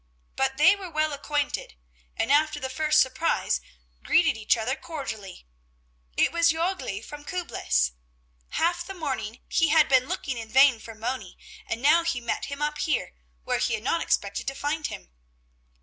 But they were well acquainted, and after the first surprise greeted each other cordially. It was Jörgli from Küblis. Half the morning he had been looking in vain for Moni and now he met him up here, where he had not expected to find him.